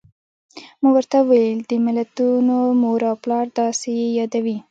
ما ورته وویل: د ملتونو مور او پلار، داسې یې یادوي.